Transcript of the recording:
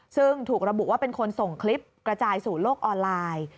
ซึ่งถูกระบุว่าเป็นคนส่งคลิปกระจายสู่โลกออนไลน์